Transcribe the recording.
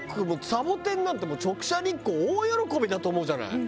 サボテンなんてもう直射日光大喜びだと思うじゃない？